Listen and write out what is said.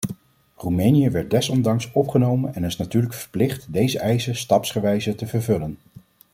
Roemenië werd desondanks opgenomen en is natuurlijk verplicht deze eisen stapsgewijze te vervullen.